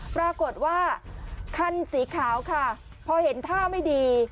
ปรากฏว่าคันสีขาวค่ะพอเห็นท่าไม่ดี